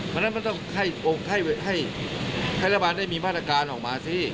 เพราะฉะนั้นมันต้องให้รัฐบาลได้มีมาตรการออกมาสิ